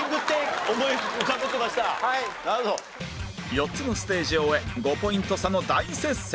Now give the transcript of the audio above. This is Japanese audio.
４つのステージを終え５ポイント差の大接戦